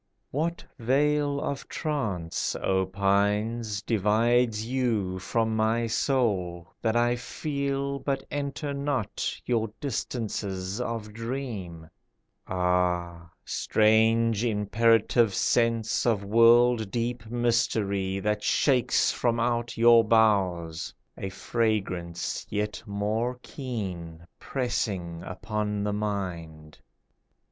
What veil of trance, O pines, Divides you from my soul, That I feel but enter not Your distances of dream? Ah! strange, imperative sense Of world deep mystery That shakes from out your boughs A fragrance yet more keen, Pressing upon the mind.